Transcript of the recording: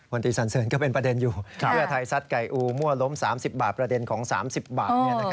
ตีสันเสริญก็เป็นประเด็นอยู่เพื่อไทยซัดไก่อูมั่วล้ม๓๐บาทประเด็นของ๓๐บาท